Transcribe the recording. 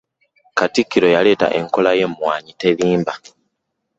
Katikkiro yaleta enkola yemwanyi terimba.